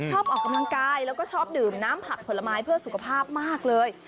ออกกำลังกายแล้วก็ชอบดื่มน้ำผักผลไม้เพื่อสุขภาพมากเลย